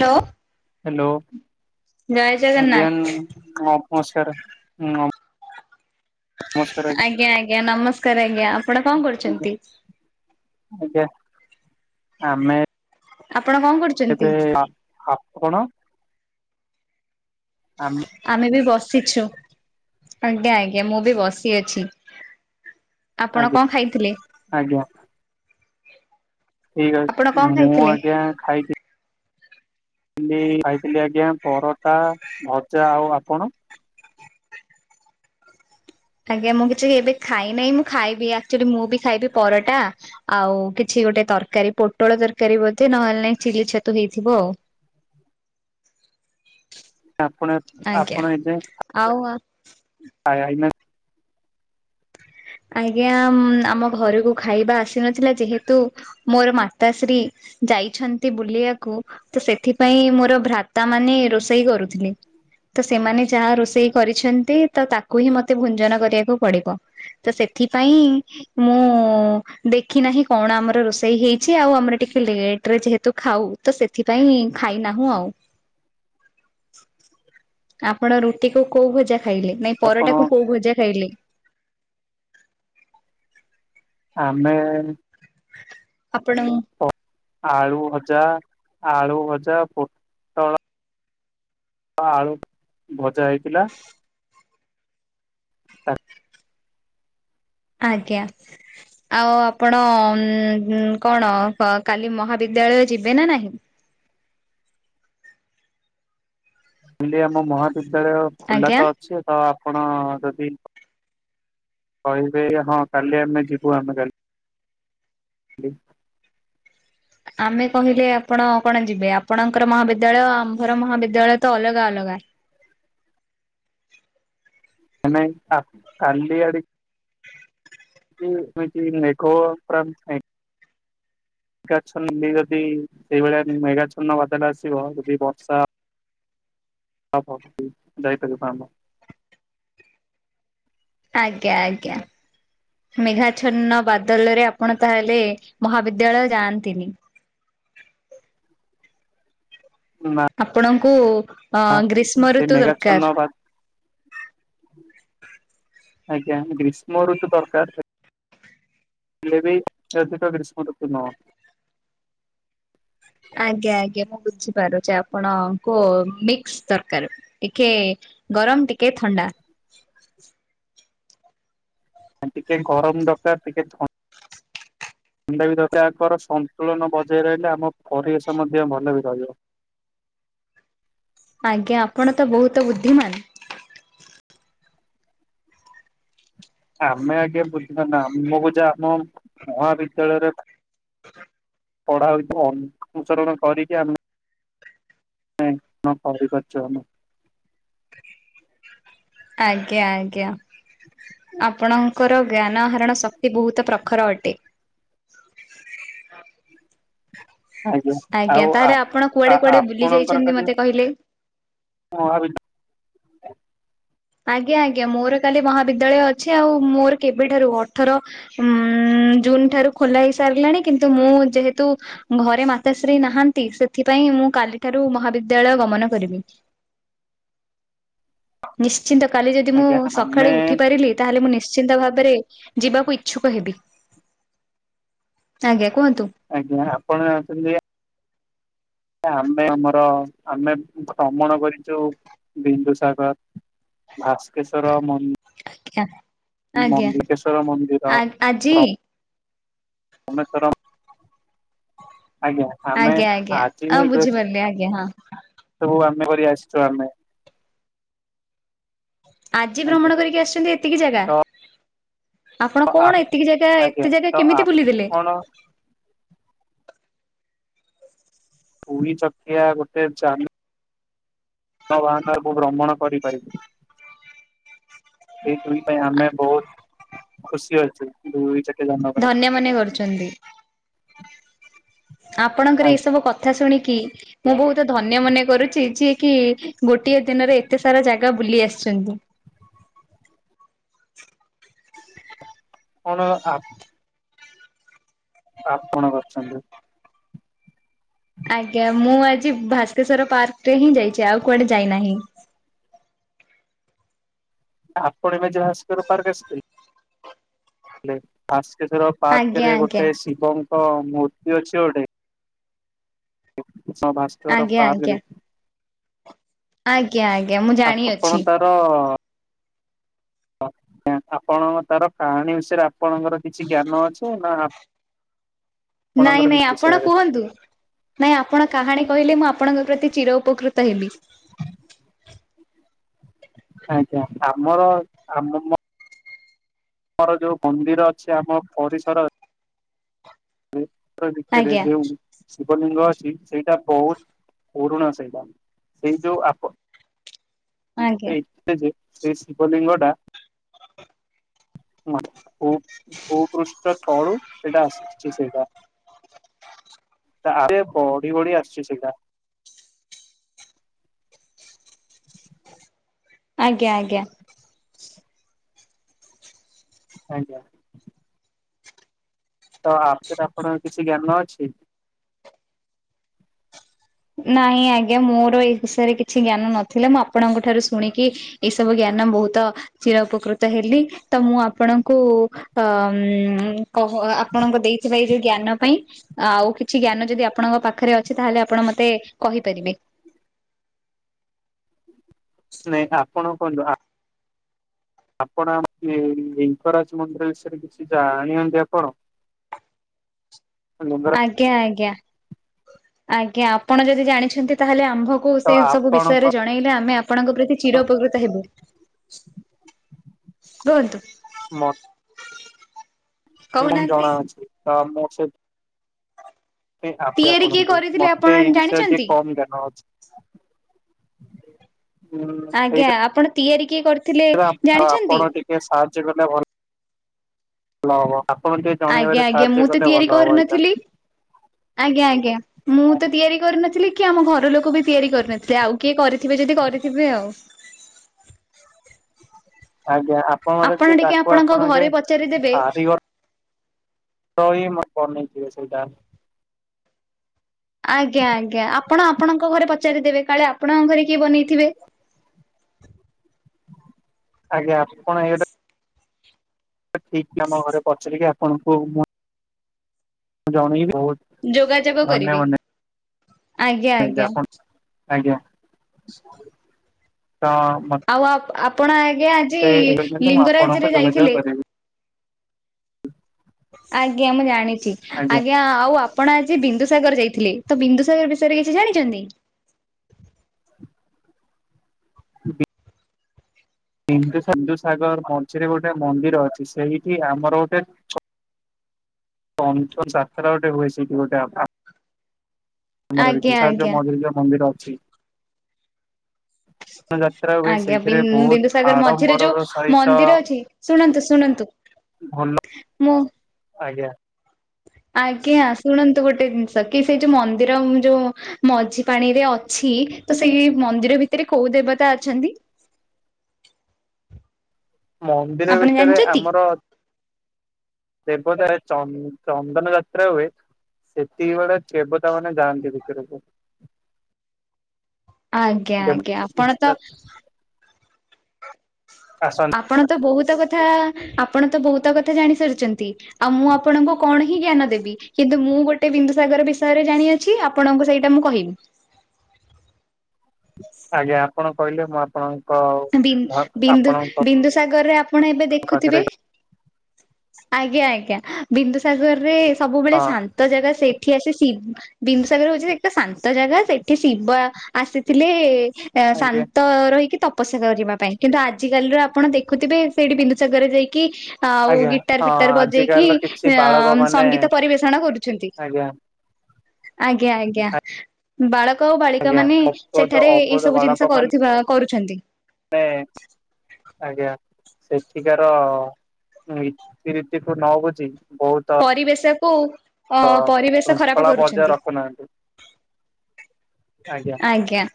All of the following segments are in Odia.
ହ୍ୟାଲୋ ହ୍ୟାଲୋ ଜୟ ଜଗନ୍ନାଥ। ହଁ ନମସ୍କାର ହଁ ଆଜ୍ଞା ଆଜ୍ଞା ନମସ୍କାର ଆଜ୍ଞା ଆପଣ କଣ ଆଜ୍ଞା କରୁଛନ୍ତି? ଆଜ୍ଞା ଆମେ ଆପଣ କଣ କରୁଛନ୍ତି? କେବେ ହପ କଣ [unintelligible] ଆ [inaudible] ଆମେ ବି ବସିଛୁ ଆଜ୍ଞା ଆଜ୍ଞା ମୁଁ ବି ବସି ଅଛି। ଆପଣ ଆଜ୍ଞା କଣ ଖାଇଥିଲେ? ଆଜ୍ଞା। ଠିକ୍ ଆପଣ ଅଛି କଣ ମୁଁ ଖାଇଥିଲେ? ଆଜ୍ଞା ଖାଇଥିଲି ଖାଇଥିଲି ଆଜ୍ଞା ପରଟା ଭଜା ଆଉ ଆପଣ। ଆଜ୍ଞା ମୁଁ କିଛି ଏବେ ଖାଇ ନାହିଁ ମୁଁ ଖାଇବି ଆକ୍ଚୁଆଲି ମୁଁ ବି ଖାଇବି ପରଟା ଆଉ କିଛି ଗୋଟେ ତରକାରୀ ପୋଟଳ ତରକାରୀ ବୋଧେ ନହେଲେ ନାଇଁ ଚିଲି ଛତୁ ହେଇଥିବ ଆଉ। ଆପଣ ଆଜ୍ଞା ଆପଣ ଏ ଯାଏଁ ଆଉ ଆ ଆ [inaudible] ଆଜ୍ଞା ଆମ ଘରକୁ ଖାଇବା ଆସିନଥିଲା ଯେହେତୁ ମୋର ମାତାଶ୍ରୀ ଯାଇଛନ୍ତି ବୁଲିବାକୁ ତ ସେଥିପାଇଁ ମୋର ଭ୍ରାତା ମାନେ ରୋଷେଇ କରୁଥିଲେ। ତ ସେମାନେ ଯାହା ରୋଷେଇ କରିଛନ୍ତି ତ ତାକୁ ହିଁ ମତେ ଭୁଞ୍ଜନ କରିବାକୁ ପଡିବ। ତ ସେଥିପାଇଁ ମୁଁ ଦେଖି ନାହିଁ କଣ ଆମର ରୋଷେଇ ହେଇଛି ଆଉ ଆମର ଟିକେ ଲେଟରେ ଯେହେତୁ ଖାଉ ତ ସେଥିପାଇଁ ଖାଇନାହୁଁ ଆଉ। ଆପଣ ରୁଟି କୁ କୋଉ ଭଜା ଖାଇଲେ ନାଇଁ ପରଟା ଆପଣ କୁ କୋଉ ଭଜା ଖାଇଲେ ଆମେ ଆପଣ ଆଳୁ ଭଜା ଆଳୁ ଭଜା ପ ଆଳୁ ଭଜା ହେଇଥିଲା। ଆଜ୍ଞା। ଆଉ ଆପଣ ଉ କଣ କାଲି ମହାବିଦ୍ୟାଳୟ ଯିବେ ନା ନାହିଁ? କାଲି ଆମ ମହାବିଦ୍ୟାଳୟ ଖୋଲା ଆଜ୍ଞା ତ ଅଛି ତ ଆପଣ ଯଦି କହିବେ ହଁ କାଲି ଆମେ ଯିବୁ ଆମେ କାଲି ଆମେ କହିଲେ ଆପଣ କଣ ଯିବେ ଆପଣଙ୍କର ମହାବିଦ୍ୟାଳୟ ଆମ୍ଭର ମହାବିଦ୍ୟାଳୟ ତ ଅଲଗା ଅଲଗା। ମାନେ କାଲି ଆଡ଼ ମକା [inaudible] ମେଗାଛନ ଯଦି ସେଇଭଳିଆ ମେଗାଛନ ବାଦରେ ଆସିବ ଯଦି ବର୍ଷା [unintelligible] ହଉ ହଉ ହ ଯାାଇପଜୋର୍ [unintelligible] ଆଜ୍ଞା ଆଜ୍ଞା। ମେଘା୍ଛନ୍ନ ବାଦଲ ରେ ଆପଣ ତାହେଲେ ମହାବିଦ୍ୟାଳୟ ଯାଆନ୍ତିନି? ହୁଁ ଆପଣଙ୍କୁ ଅ ଗ୍ରୀଷ୍ମ ସେଇ ଋତୁ ମେଘାଚ୍ଛନ୍ନ ଦରକାର। ବା ଆଜ୍ଞା, ଗ୍ରୀଷ୍ମୁ ଋତୁ ତରକାର। [unintelligible] ଆଜ୍ଞା ଆଜ୍ଞା ମୁଁ ବୁଝିପାରୁଛି। ଆପଣଙ୍କୁ ମିକ୍ସ ଦରକାର। ଟିକେ ଗରମ, ଟିକେ ଥଣ୍ଡା। ଟିକେ ଗରମ ଦରକାର। ଟିକେ ଥଣ୍ଡା ଣ୍ଡା ବି ଦରକାର। ଆଙ୍କର ସନ୍ତୁଳନ ବଜାଇ ରହିଲେ ଆମ ପରିବେଶ ମଧ୍ୟ ଭଲ ବି ରହିବ। ଆଜ୍ଞା, ଆପଣ ତ ବହୁତ ବୁଦ୍ଧିମାନ। ଆମେ ଆଜ୍ଞା ବୁନ୍ଧିମାନ ନୁହଁ। ଆମୁକୁ ଜାହା ଆମ ମହାବିଦ୍ୟାଳୟରେ ହ [unintelligible] ପଢା ହଉଛି, ଅନୁଚରଣ କରିକି ଆମେ ନାଇଁ [unintelligible] ଆଜ୍ଞା ଆଜ୍ଞା। ଆପଣ ଙ୍କର ଜ୍ଞାନ ଆହରଣ ଶକ୍ତି ବହୁତ ପ୍ରଖର ଅଟେ। ଆଜ୍ଞା। ଆଜ୍ଞା ଆଉ ତାହେଲେ ଆପଣ କୁଆଡେ ଆ କୁଆଡେ ବୁଲି ଆପଣଙ୍କର ଯାଇଛନ୍ତି କାଲି ମତେ କହିଲେ? ମହାବିଦ୍ୟା ଆଜ୍ଞା ଆଜ୍ଞା। ମୋର କାଲି ମହାବିଦ୍ୟାଳୟ ଅଛି। ଆଉ ମୋର କେବେଠାରୁ ଅଠର ଉଁ ଜୁନ ଠାରୁ ଖୋଲା ହେଇ ସାରିଲାଣି କିନ୍ତୁ ମୁଁ ଯେହେତୁ ଘରେ ମାତାଶ୍ରୀ ନାହାନ୍ତି। ସେଥିପାଇଁ ମୁଁ କାଲି ଠାରୁ ମହାବିଦ୍ୟାଳୟ ଗମନ କରିବି। ନିଶ୍ଚିନ୍ତ କାଲି ଯଦି ମୁଁ ଆଜ୍ଞା ଆମେ ସକାଳେ ଉଠି ପାରିଲି। ତାହେଲେ ମୁଁ ନିଶ୍ଚିନ୍ତ ଭାବରେ ଯିବାକୁ ଇଚ୍ଛୁକ ହେବି। ଆଜ୍ଞା। କୁହନ୍ତୁ? ଆଜ୍ଞା। ଆପଣ [unintelligible] ଆମେ ଆମର, ଆମେ ଡ୍ରମଣ କରିଛୁ ବିନ୍ଦୁସାଗର। ଭାସ୍କେଶ୍ୱର ମନ୍ଦି ଆ ଆଜ୍ଞା, ମନ୍ଦିକେଶ୍ଵର ମନ୍ଦିର ଆ ଆଜି? ତମେ ତର ଆଜ୍ଞା ଆମେ ଆଜି ହିଁ ଗ୍ର [unintelligible] ଆଜ୍ଞ ହଁ ହଁ। ସବୁ ଆମେ କରି ଆସିଛୁ ଆମେ। ଆଜି ଆଜ୍ଞା ଭ୍ରମଣ କରିକି ଆସିୁଛନ୍ତି ଏତିକି ଜାଗା? ତ ଆପଣ ଆପ କଣ ଏତିକି ଜାଗା ଆଜ୍ଞା ଏତେ ଜାଗା ତ କେମିତି ବୁଲିଦେଲେ? ଆପଣ ଦୁଇ ଚକିଆ ଗୋଟେ ଜ ଜାନ ବାହାନ [unintelligible] ଭ୍ରମଣ କରିପାରିବୁ। ଏଇ ଦୁଇ ପାଇଁ ଆମେ ବହୁତ ଖୁସି ଅଛୁ। ଦୁଇ ଚକିଆ ଯାନ। ପାଇଁ ଧନ୍ୟ ମନେ କରୁଛନ୍ତି। ଆପଣଙ୍କର ଏ ସବୁ କଥା ଶୁଣିକି ମୁଁ ଆଜ୍ଞା ବହୁତ, ଧନ୍ୟ ମନେ କରୁଛି ଯିଏ କି ଗୋଟିଏ ଦିନରେ ଏତେ ସାରା ଜାଗା ବୁଲି ଆସିଛନ୍ତି। କଣ ଆପ ଆପଣ କରିଛନ୍ତି। ଆଜ୍ଞା ମୁଁ ଆଜି ଭାସ୍କେଶ୍ୱର ପାର୍କ ରେ ହିଁ ଯାଇଛି। ଆଉ କୁଆଡେ ଯାଇନାହିଁ। ଆପଣ ଏବେ ଯ ଭାସ୍କର ପାର୍କ ଆସିଥିଲେ? ହେ ବାାସ୍କେଶ୍ଵର ଆଜ୍ଞା ପାର୍କରେ ଆଜ୍ଞା ଗୋଟେ ଶିବଙ୍କ ମୂର୍ତ୍ତି ଅଛି ଗୋଟେ ଆଜ୍ଞା ଆଜ୍ଞା [unintelligible] ଆଜ୍ଞା ଆଜ୍ଞା ମୁଁ ଜାଣିଅଛି ତ ଆପଣଙ୍କ ତାର କାହାଣୀ ବିଷୟରେ ଆପଣଙ୍କର କିଛି ଜ୍ଞାନ ଅଛି ନା ନାଇଁ ଆପଣଙ୍କର ନାଇଁ କିଛି ଆପଣ ବିଷୟରେ କୁହନ୍ତୁ ନାଇଁ ଆପଣ କାହାଣୀ କହିଲେ ମୁଁ ଆପଣଙ୍କ ପ୍ରତି ଚିର ଉପକୃତ ହେବି ଆଜ୍ଞା ଆମର ଆମ ମ ଆମର ଯୋଉ ମନ୍ଦିର ଅଛି ଆମ ପରିସର ଅ ଆଜ୍ଞା [unintelligible] ଶିବଲିଙ୍ଗ ଅଛି ସେଇଟା ବହୁତ ପୁରୁଣ ସେଇଟା ସେଇ ଯୋଉ ଆପ ଆଜ୍ଞା ଏଇ ଯେ ସେଇ ଶିବଲିଙ୍ଗ ଟା ହ ଭ ଭୂପୃଷ୍ଠ ତଳୁ ସେଇଟା ଆସିଛି ସେଇଟା ଆପେ ବଢି ବଢି ଆସିୁଛି ସେଇଟା ଆଜ୍ଞା ଆଜ୍ଞା ଆଜ୍ଞା ତ ଆ ସେଟ ଆପଣଙ୍କ କିଛି ଜ୍ଞାନ ଅଛି ନାହିଁ ଆଜ୍ଞା ମୋର ଏ ବିଷୟରେ କିଛି ଜ୍ଞାନ ନଥିଲା ମୁଁ ଆପଣଙ୍କ ଠାରୁ ଶୁଣିକି ଏଇ ସବୁ ଜ୍ଞାନ ବହୁତ ଚିର ଉପକୃତ ହେଲି ତ ମୁଁ ଆପଣଙ୍କୁ ଅ କହୁ ଆପଣଙ୍କ ଦେଇଥିବା ଏଇ ଯୋଉ ଜ୍ଞାନ ପାଇଁ ଆଉ କିଛି ଜ୍ଞାନ ଯଦି ଆପଣଙ୍କ ପାଖରେ ଅଛି ତାହେଲେ ଆପଣ ମତେ କହିପାରିବେ ନାଇଁ ଆ ପଣ କୁହନ୍ତୁ ଆପଣ ଆମ ଲି ଲିଙ୍ଗରାଜ ମନ୍ଦିର ବିଷୟରେ କିଛି ଜାଣି ଅନ୍ତି ଆପଣ ଆମ ଦ୍ୱାରା ଆଜ୍ଞା ଆଜ୍ଞା ଆଜ୍ଞା ଆପଣ ଯଦି ଜାଣିଛନ୍ତି ତାହେଲେ ଆମ୍ଭ ତ ସେ ସବୁ ଆପଣଙ୍କ ବିଷୟରେ ଜଣେଇଲେ ଆମେ ଆପଣଙ୍କ ପ୍ରତି ଚିର ଉପକୃତ ହେବୁ କୁହନ୍ତୁ ଏଇଟ ମ କହୁନାହାନ୍ତି ଜଣା ଅଛି ତ ମୁ ସେ ଆପେ ତିଆରି କିଏ ଆପଣଙ୍କୁ କରିଥିଲେ ଆପଣ ମତେ ଏଇ ବିଷୟ ଟିକେ ଜାଣିଛନ୍ତି? କମ ଜ୍ଞାନ ଅଛି ଉଁ ସେଇ ଆଜ୍ଞା ଆପଣ ତିଆରି କିଏ କରିଥିଲେ ଆପଣ ଜାଣିଛନ୍ତି ଟିକେ ସାହାଯ୍ୟ କରଲେ ଭଲ ଭଲ ହବ ଆପ ଟିକେ ଆଜ୍ଞା ଜଣେଇବାରେ ଆଜ୍ଞା ସାହାଯ୍ୟ ମୁଁ ତ କଲେ ତିଆରି ଭଲ ହବ ଏଇଟା କରିନଥିଲି ଆଜ୍ଞା ଆଜ୍ଞା ମୁଁ ତ ତିଆରି କରିନଥିଲି କି ଆମ ଘର ଲୋକ ବି ତିଆରି କରିନଥିଲେ ଆଉ କିଏ କରି ଥିବେ ଯଦି କରିଥିବେ ଆଉ ଆପଣ ଟିକେ ଆପଣଙ୍କ ଘରେ ପଚାରି ଦେବେ [unintelligible] କାରିଗର ହିଁ ବନେଇଥିବେ ସେଇଟା ଆଜ୍ଞା ଆଜ୍ଞା ଆପଣ ଆପଣଙ୍କ ଘରେ ପଚାରିଦେବେ କାଳେ ଆପଣଙ୍କ ଘରେ କିଏ ବନେଇଥିବେ ଆଜ୍ଞା ଆ କଣ ଏଇଟା ତ ଠିକ ଆମ ଘରେ ପଚାରିକି ଆପଣଙ୍କୁ ମୁ ଜଣେଇବି ଆଉ ଯୋଗାଯୋଗ କରିବେ ଆଜ୍ଞା ଆପଣ ଆଜ୍ଞା ତ ମ ଆଉ ଆପଣ ଆଜ୍ଞା ଆଜି ଏଇଛନ୍ତି ମୁଁ ଆପଣଙ୍କୁ ଲିଙ୍ଗରାଜରେ ଯୋଗାଯୋଗ ଯାଇଥିଲେ କରିବି ଆଜ୍ଞା ମୁଁ ଜାଣିଛି ଆଜ୍ଞା ଆଉ ଆପ୍ ଆପଣ ଆଜି ବିନ୍ଦୁସାଗର ଯାଇଥିଲେ ତ ବିନ୍ଦୁସାଗର ବିଷୟରେ କିଛି ଜାଣିଛନ୍ତି? ଉ ସିଧୁ ସିନ୍ଧୁ ସାଗର ମଞ୍ଚିରେ ଗୋଟେ ମନ୍ଦିର ଅଛି ସେଇଠି ଆମର ଗୋଟେ ଛୋ ପଞ୍ଚ ସାତା ଯାତ୍ରା ଗୋଟେ ହୁଏ [unintelligible] ଆମର ଆଜ୍ଞା ବିନ୍ଦୁସାଗର ଆଜ୍ଞା ମଝିରେ ଯୋଉଁ ମନ୍ଦିର ଅଛି। ର ଯାତ୍ରା ହୁଏ ଆଜ୍ଞା ସେଇଥିରେ ବହୁତ ବିନ୍ଦୁସାଗର ମଝିରେ ଯୋଉ ଆଡମ୍ବରର ସହିତ ମନ୍ଦିର ଅଛି ଶୁଣନ୍ତୁ ଶୁଣନ୍ତୁ ଭଲ ମୁଁ ଆଜ୍ଞା। ଆଜ୍ଞା ଶୁଣନ୍ତୁ ଗୋଟେ ଜିନିଷ କି ସେଇ ଯୋଉ ମନ୍ଦିର ଯୋଉ ମଝି ପାଣିରେ ଅଛି ତ ସେଇ ମନ୍ଦିର ଭିତରେ କୋଉ ଦେବତା ଅଛନ୍ତି? ମନ୍ଦିର ଆପଣ ଭିତରେ ଜାଣିଛନ୍ତି? ଆମର ଦେବତା ଚ ଚନ୍ଦନ ଯାତ୍ରା ହୁଏ। ସେତିକି ବେଳେ କେବତା ମାନେ ଯାଆନ୍ତି ଭିକରକୁ। ଆଜ୍ଞା ଦେବ ଆଜ୍ଞା ଆପଣ ତ ଆସନ୍ତ ଆପଣ ତ ବହୁତ କଥା ଆପଣ ତ ବହୁତ କଥା ଜାଣି ସାରିଛନ୍ତି? ଆଉ ମୁଁ ଆପଣଙ୍କୁ କଣ ହିଁ ଜ୍ଞାନ ଦେବି। କିନ୍ତୁ ମୁଁ ଗୋଟେ ବିନ୍ଦୁସାଗର ବିଷୟରେ ଜାଣିଅଛି ଆପଣଙ୍କୁ ସେଇଟା ମୁଁ କହିବି। ଆଜ୍ଞା ଆପଣ କହିଲେ ମୁଁ ଆପଣ ବିନ୍ଦୁ ବିନ୍ଦୁସାଗରରେ ଆପଣ ଏବେ ଦେଖୁଥିବେ? ପାଖରେ ଆଜ୍ଞା ଆଜ୍ଞା ବିନ୍ଦୁସାଗର ରେ ସବୁବେଳେ ହଁ ଶାନ୍ତ ତ ଜାଗା ସେଠି ଆସି ସି ବିନ୍ଦୁ ସାଗର ହଉଛି ଏକ ଶାନ୍ତ ଜାଗା ସେଠି ଶିବ ଆସିଥିଲେ। ଆ ଆଜ୍ଞା ଶାନ୍ତ ରହିକି ଉପୋଷା କରିବା ପାଇଁ କିନ୍ତୁ ଆଜିିକାଲିର ଆପଣ ଦେଖୁଥିବେ ସେଇଠି ବିନ୍ଦୁସାଗରରେ ଯାଇକି ଆଉ ଆଜ୍ଞା ଗିଟାର ହଁ ଫିଟାର ବଜେଇକି ଆଜିକାଲିର କିଛି ଅ ବାଳକ ମାନେ ସଙ୍ଗୀତ ପରିବେଷଣ କରୁଛନ୍ତି। ଆଜ୍ଞା ଆଜ୍ଞା ଆଜ୍ଞା। ବାଳକ ଆଉ ବାଳିକା ଆଜ୍ଞା ମାନେ ଅବୋଧ ସେଠାରେ ଏଇ ସବୁ ଜିନିଷ କରୁଥିବା କରୁଛନ୍ତି। ହେଁ। ଆଜ୍ଞା ସେଠିକାରନୀତି ରୀତିଠୁ ନବୁଝି ବହୁତ ପରିବେଶକୁ ଅ ପରିବେଶ ଖରାପ ଶୃଙ୍ଖଳା ବଜାୟ କରୁଛନ୍ତି ରଖୁନାହାନ୍ତି। ଆଜ୍ଞା।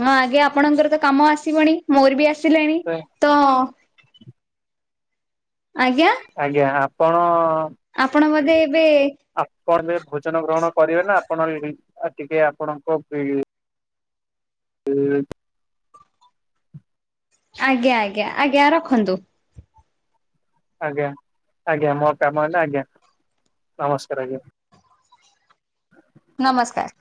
ହଁ ଆଗେ ଆପଣଙ୍କର ତ କାମ ଆସିବନି ମୋର ବି ଆସିଲେଣି? ତ ଆଜ୍ଞା ଆଜ୍ଞା ଆପଣ ଆପଣ ବୋଧେ ଏବେ ଆପଣ ଯେ ଭୋଜନ ଗ୍ରହଣ କରିବେ ନା ଆପଣ ଟିକେ ଆପଣଙ୍କ [unintelligible] ହୁଁ। ଆଜ୍ଞା ଆଜ୍ଞା ଆଜ୍ଞା ରଖନ୍ତୁ। ଆଜ୍ଞା ଆଜ୍ଞା ମୋର କାମ ହେଲା ଆଜ୍ଞା ନମସ୍କାର ଆଜ୍ଞା। ନମସ୍କାର।